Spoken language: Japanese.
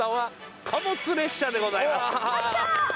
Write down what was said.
やった！